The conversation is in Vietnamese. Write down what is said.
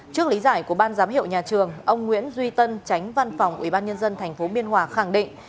trước lý giải của ban giám hiệu nhà trường ông nguyễn duy tân tránh văn phòng ubnd tp biên hòa khẳng định